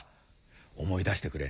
思い出してくれ。